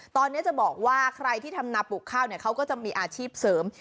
ตอนนี้จะบอกว่าใครที่ทำนาปลูกข้าวเนี่ยเขาก็จะมีอาชีพเสริม